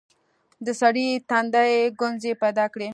د سړي تندي ګونځې پيدا کړې.